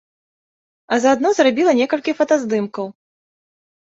А заадно зрабіла некалькі фотаздымкаў.